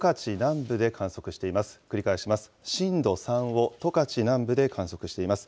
震度３を十勝南部で観測しています。